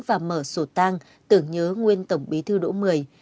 và mở sổ tang tưởng nhớ nguyên tổng bí thư đỗ mười